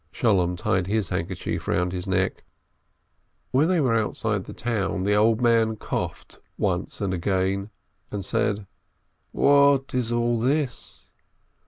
Sholem tied his handkerchief round his neck. THE BAY AND THE EAV'S SON 443 When they were outside the town, the old man coughed once and again and said: "What is all this?"